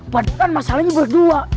padahal masalahnya berdua